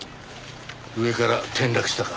上から転落したか。